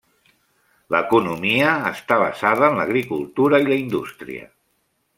L'economia està basada en l'agricultura i la indústria.